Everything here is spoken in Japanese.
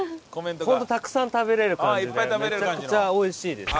本当たくさん食べられる感じでめちゃくちゃおいしいです。